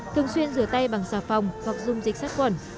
thường xuyên rửa tay bằng xà phòng hoặc dung dịch sát quẩn